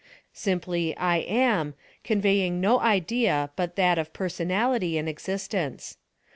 Simply ' I am,' conveying no idea but that of personality and existence.